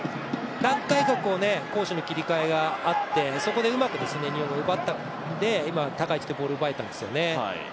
何回か攻守の切り替えがあってそこでうまく日本が奪ったので今、高い位置でボールが奪えたんですよね。